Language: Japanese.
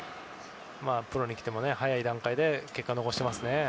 プロに来ても早い段階で結果を残していますね。